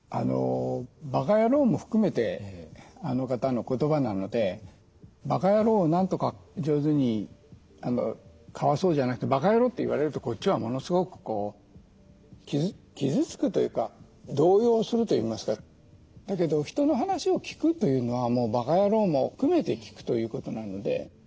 「ばか野郎」も含めてあの方の言葉なので「ばか野郎」をなんとか上手にかわそうじゃなくて「ばか野郎」って言われるとこっちはものすごく傷つくというか動揺するといいますかだけど人の話を聴くというのは「ばか野郎」も含めて聴くということなので。